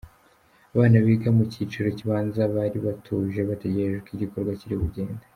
Abana biga mu cyiciro kibanza bari batuje bategereje uko igikorwa kiri bugende.